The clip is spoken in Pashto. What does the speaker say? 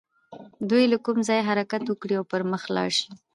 دوی له کوم ځايه حرکت وکړي او پر مخ لاړ شي.